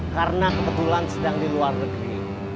karena kebetulan sedang di luar negeri